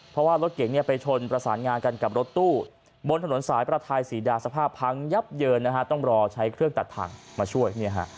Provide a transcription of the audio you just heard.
เพราะว่ารถเก่งไปชนประสานงากันกับรถตู้บนถนนสายประทายศรีดาสภาพพังยับเยินนะฮะต้องรอใช้เครื่องตัดทางมาช่วย